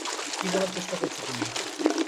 কী বলার চেষ্টা করছো তুমি?